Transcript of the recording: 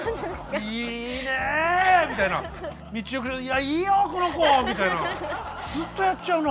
「いいね」みたいな「いやいいよこの子」みたいなずっとやっちゃうな。